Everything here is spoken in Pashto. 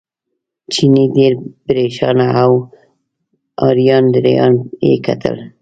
چیني ډېر پرېشانه و او اریان دریان یې کتل.